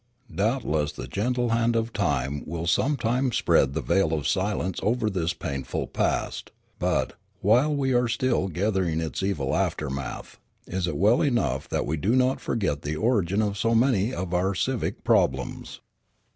Doubtless the gentle hand of time will some time spread the veil of silence over this painful past; but, while we are still gathering its evil aftermath, it is well enough that we do not forget the origin of so many of our civic problems.